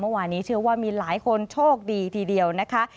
วานี้เชื่อว่ามีหลายคนโชคดีทีเดียวนะคะ